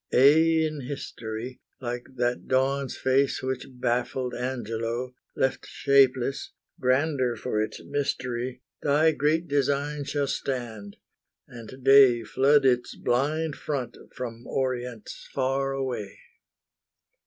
Aye in history, Like that Dawn's face which baffled Angelo, Left shapeless, grander for its mystery, Thy great Design shall stand, and day Flood its blind front from Orients far away.